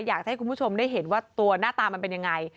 อยากให้คุณผู้ชมได้เห็นว่าตัวหน้าตามันเป็นยังไง